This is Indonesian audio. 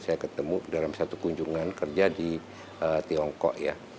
saya ketemu dalam satu kunjungan kerja di tiongkok ya